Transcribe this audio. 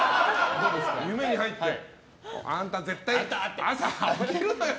夢に入ってあんた絶対朝起きるんだよ！